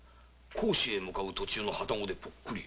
甲州へ向かう途中のハタゴでぽっくり。